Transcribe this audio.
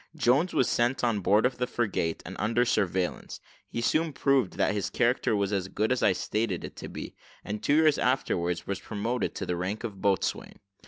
Jones was sent on board of the frigate, and under surveillance: he soon proved that his character was as good as I stated it to be, and two years afterwards was promoted to the rank of boatswain.